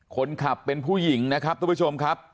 คนขับเป็นผู้หญิงนะครับทุกผู้ชมครับ